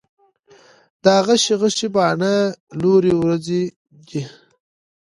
دا غشي غشي باڼه، لورې وروځې دي